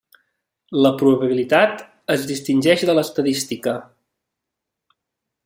La probabilitat es distingeix de l'estadística.